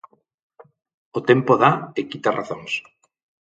O tempo dá e quita razóns.